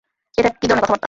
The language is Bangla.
এটা কী ধরনের কথাবার্তা?